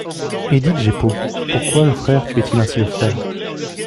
Et dites, Jeppo, pourquoi le frère tuait-il ainsi le frère ?